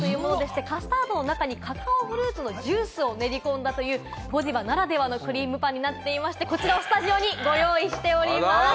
カスタードの中にカカオフルーツのジュースを練り込んだという、ゴディバならではのクリームパンになっていまして、こちらをスタジオにご用意しております。